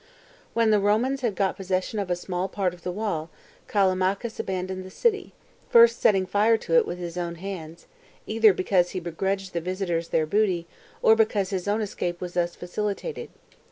When the Romans had got possession of a small part of the wall, Callimachus abandoned the city, first setting fire to it with his own hands, either because he begrudged the visitors their booty, or because his own escape was thus facilitated.